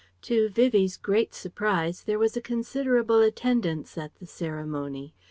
To Vivie's great surprise, there was a considerable attendance at the ceremony.